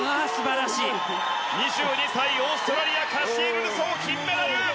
２２歳、オーストラリアカシエル・ルソー、金メダル！